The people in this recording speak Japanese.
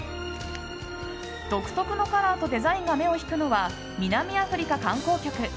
独特のカラーとデザインが目を引くのは南アフリカ観光局。